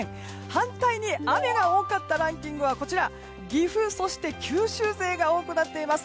反対に雨が多かったランキングは岐阜、そして九州勢が多くなっています。